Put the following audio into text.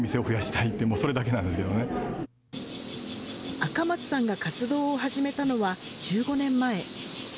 赤松さんが活動を始めたのは１５年前。